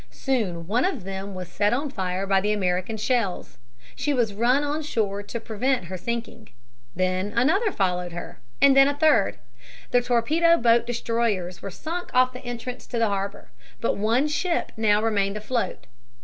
Soon one of them was set on fire by the American shells. She was run on shore to prevent her sinking. Then another followed her, and then a third. The torpedo boat destroyers were sunk off the entrance to the harbor. But one ship now remained afloat.